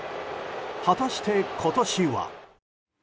果たして今年は。